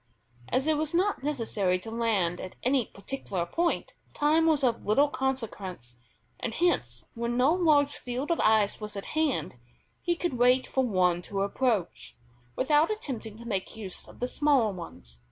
As it was not necessary to land at any particular point, time was of little consequence, and hence when no large field of ice was at hand, he could wait for one to approach, without attempting to make use of the smaller ones.